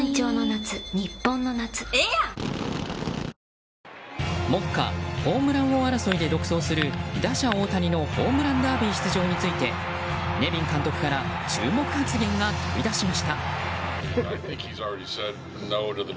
新「グリーンズフリー」目下ホームラン王争いで独走する打者・大谷のホームランダービー出場についてネビン監督から注目発言が飛び出しました。